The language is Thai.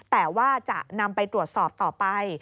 แต่ว่าจะนำไปตรวจสอบต่อไป